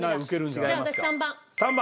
じゃあ私３番。